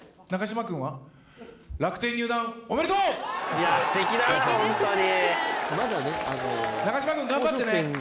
いや、すてきだな、本当に。